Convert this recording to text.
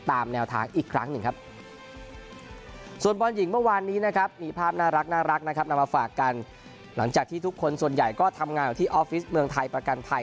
ทำงานอยู่ที่ออฟฟิศเมืองไทยประกันไทย